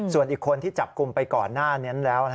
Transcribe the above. ส่วนอีกคนที่จับกลุ่มไปก่อนหน้านั้นแล้ว